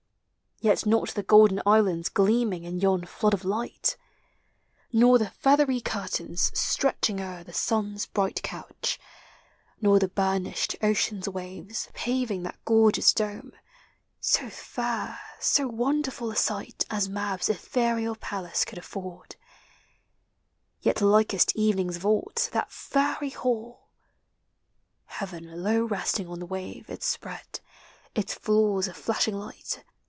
Yet not the golden islands Gleaming in yon flood of light, Nor the feathery curtains Stretching o'er the sun's bright couch, Nor the burnished ocean's waves Paving that gorgeous dome. So fair, so wonderful a sight As Mab's ethereal palace could afford. Yet likest evening's vault, that fairy Hall! Heaven, low resting on the wave, it spread Its floors of flashing light.